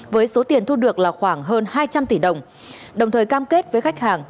với số tiền thu được là khoảng hơn hai trăm linh tỷ đồng đồng thời cam kết với khách hàng